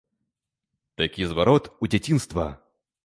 Такі зварот у дзяцінства!